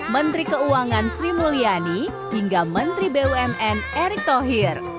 menteri keuangan sri mulyani hingga menteri bumn erick thohir